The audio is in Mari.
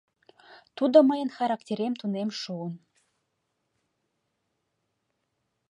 Тудо мыйын характерем тунем шуын.